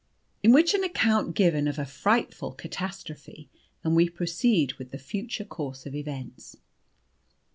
IN WHICH AN ACCOUNT IS GIVEN OF A FRIGHTFUL CATASTROPHE, AND WE PROCEED WITH THE FUTURE COURSE OF EVENTS.